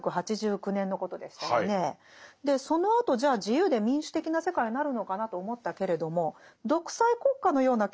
そのあとじゃあ自由で民主的な世界になるのかなと思ったけれども独裁国家のような強権的政治体制ってなくなってないですよね。